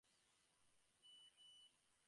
নিসার আলি অন্যদের মতো অপেক্ষা করছেন।